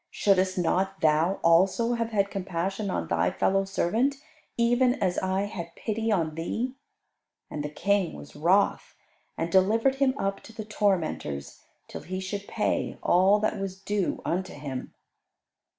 Shouldest not thou also have had compassion on thy fellow servant, even as I had pity on thee?" And the King was wroth, and delivered him up to the tormentors, till he should pay all that was due unto him.